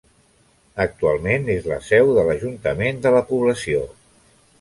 Actualment és la seu de l'ajuntament de la població.